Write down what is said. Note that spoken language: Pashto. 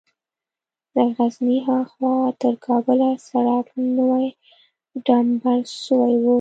له غزني ها خوا تر کابله سړک نوى ډمبر سوى و.